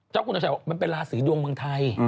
เจ้าคุณหน้าชาวเป็นราศรีดวงเมืองไทย